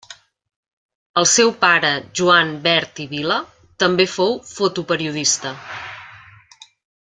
El seu pare Joan Bert i Vila també fou fotoperiodista.